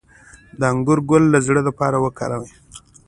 د انګور ګل د زړه لپاره وکاروئ